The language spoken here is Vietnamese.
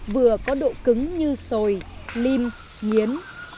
vừa có độ cứng như sồi lim miến